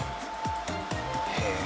へえ。